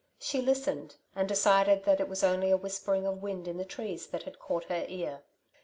She listened, and decided that it was only a whispering of wind in the trees that had caught her ear.